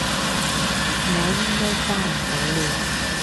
我應該揸唔到嚕